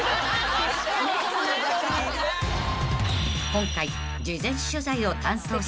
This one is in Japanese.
［今回］